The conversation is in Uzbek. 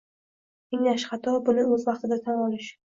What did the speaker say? Eng yaxshi xato - buni o'z vaqtida tan olish